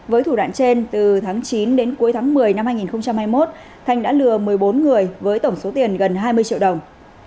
với thủ đoạn trên từ tháng chín đến cuối tháng một mươi năm hai nghìn hai mươi một thanh đã lừa một mươi bốn người với tổng số tiền gần hai mươi triệu đồng